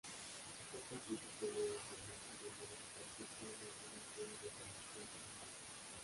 Hooper dirigió luego con mucha menor repercusión algunas series de televisión como "Taken".